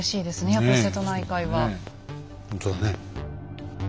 やっぱ瀬戸内海は。ほんとだね。